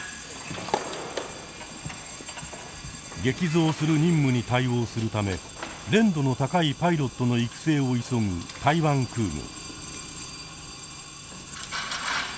激増する任務に対応するため練度の高いパイロットの育成を急ぐ台湾空軍。